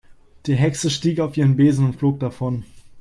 Die Hexe stieg auf ihren Besen und flog davon.